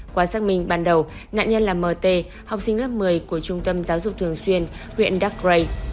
quá xác minh ban đầu nạn nhân là m t học sinh lớp một mươi của trung tâm giáo dục thường xuyên huyện đắc lây